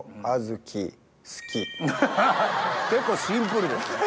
ハハハハ結構シンプルですね。